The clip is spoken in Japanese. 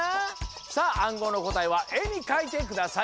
さああんごうのこたえはえにかいてください。